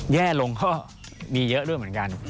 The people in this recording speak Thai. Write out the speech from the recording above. แย่ลงก็มีเยอะด้วยเหมือนกัน